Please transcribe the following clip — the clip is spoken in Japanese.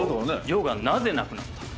「ヨ」がなぜなくなったか。